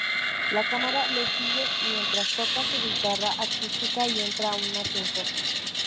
La cámara le sigue mientras toca su guitarra acústica y entra a un ascensor.